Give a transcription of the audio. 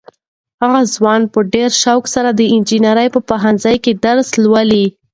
هغه ځوان په ډېر شوق سره د انجنیرۍ په پوهنځي کې درس لولي.